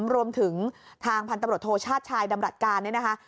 รวมถึงทางพันธุ์ตำรวจโทชาติชายดำรัฐการเนี่ยนะคะ